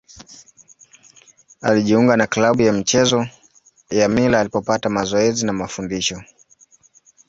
Alijiunga na klabu ya michezo ya Mila alipopata mazoezi na mafundisho.